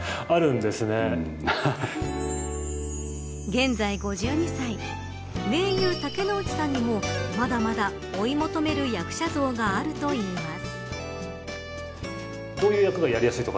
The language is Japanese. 現在５２歳名優、竹野内さんにもまだまだ追い求める役者像があるといいます。